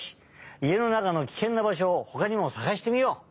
家の中のキケンなばしょをほかにもさがしてみよう！